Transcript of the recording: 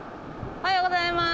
おはようございます。